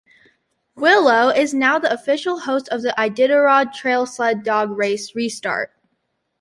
Willow is now the official host of the Iditarod Trail Sled Dog Race restart.